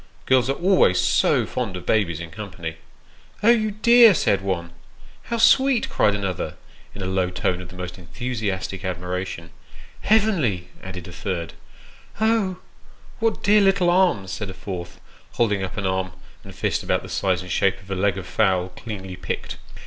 (Girls are always so fond of babies in company.) " Oh, you dear !" said one. " How sweet !" cried another, in a low tone of the most enthusiastic admiration. " Heavenly !" added a third. " Oh ! what dear little arms !" said a fourth, holding up an arm and fist about the size and shape of the leg of a fowl cleanly picked.